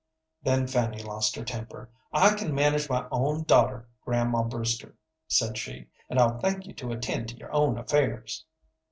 Then Fanny lost her temper. "I can manage my own daughter, Grandma Brewster," said she, "and I'll thank you to attend to your own affairs."